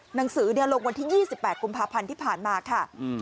หนังสือลงวันที่๒๘กุมภาพันธ์ที่ผ่านมาค่ะ